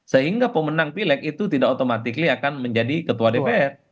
sehingga pemenang pilek itu tidak otomatis akan menjadi ketua dpr